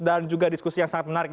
dan juga diskusi yang sangat menarik